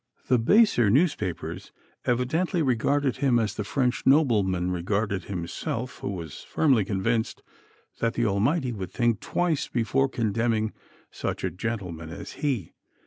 The baser newspapers evidently regarded him as the French nobleman regarded himself who was firmly convinced that the Almighty would think twice before condemning such a gentleman as he.